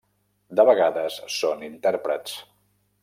De vegades, són intèrprets.